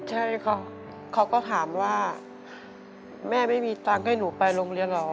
ใช่ค่ะเขาก็ถามว่าแม่ไม่มีตังค์ให้หนูไปโรงเรียนเหรอ